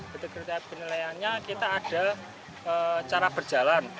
ketika penilaiannya kita ada cara berjalan